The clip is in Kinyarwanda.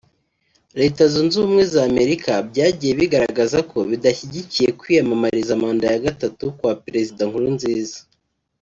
Leta Zunze Ubumwe za Amerika byagiye bigaragaza ko bidashyigikiye kwiyamamariza manda ya gatatu kwa Perezida Nkurunziza